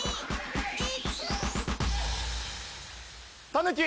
たぬき